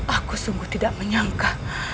aku sungguh tidak menyangka